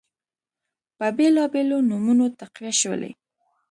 په بیلابیلو نومونو تقویه شولې